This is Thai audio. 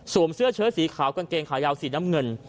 เสื้อเชิดสีขาวกางเกงขายาวสีน้ำเงิน